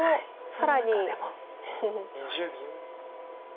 その中でも。